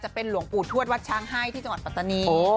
เป็นหลวงปู่ทวดวัดช้างให้ที่จังหวัดปัตตานี